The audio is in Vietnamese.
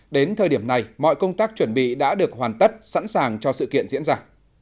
đến thời điểm này mọi công tác chuẩn bị đã được hoàn tất sẵn sàng cho sự kiện diễn ra